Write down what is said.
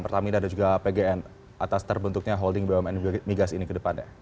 pertama ini ada juga pgn atas terbentuknya holding bumn migas ini ke depannya